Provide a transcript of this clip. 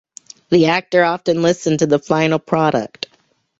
The actor often listened to the final product.